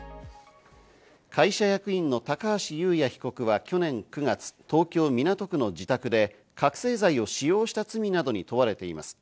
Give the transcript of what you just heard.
会社役員の高橋祐也被告は去年９月、東京港区の自宅で覚醒剤を使用した罪などに問われています。